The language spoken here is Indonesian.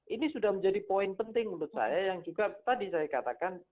ini sudah menjadi poin penting menurut saya yang juga tadi saya katakan